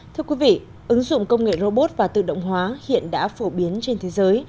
thưa quý vị ứng dụng công nghệ robot và tự động hóa hiện đã phổ biến trên thế giới